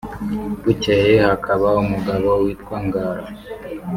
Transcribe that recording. Bukeye hakaba umugabo witwa Ngara